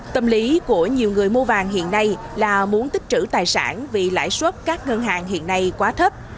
tâm lý của nhiều người mua vàng hiện nay là muốn tích trữ tài sản vì lãi suất các ngân hàng hiện nay quá thấp